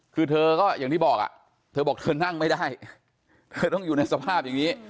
คือเธอก็อย่างที่บอกอ่ะเธอบอกเธอนั่งไม่ได้เธอต้องอยู่ในสภาพอย่างนี้